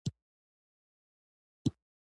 چاکلېټ د ماشوم د ښو کار انعام دی.